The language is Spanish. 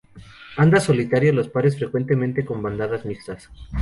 Anda solitario o a los pares, frecuentemente con bandadas mixtas.